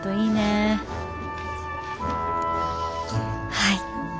はい。